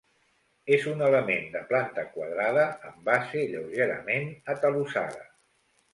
És un element de planta quadrada, amb base lleugerament atalussada.